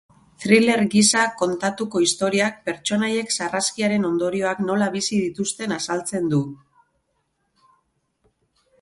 Thriller gisa kontatuko historiak pertsonaiek sarraskiaren ondorioak nola bizi dituzten azaltzen du.